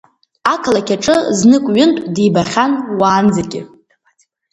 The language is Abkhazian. Ақалақь аҿы знык-ҩынтә дибахьан уаанӡагьы.